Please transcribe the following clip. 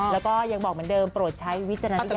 แล้วก็อย่างบอกเหมือนเดิมโปรดใช้วิทยาณญาณกรนะคะ